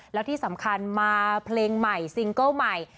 แล้วที่สำคัญมาเพลงใหม่ซิงเกิ้ลใหม่